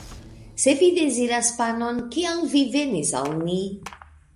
Se vi deziras panon, kial vi venis al ni?